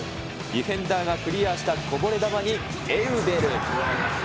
ディフェンダーがクリアしたこぼれ球に、エウベル。